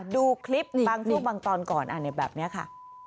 ดูคลิปบางช่วงบางตอนก่อนแบบนี้ค่ะ